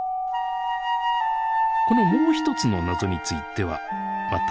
このもう一つの謎についてはまた後ほど。